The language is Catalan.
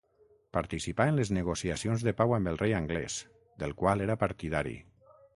Participà en les negociacions de pau amb el rei anglès, del qual era partidari.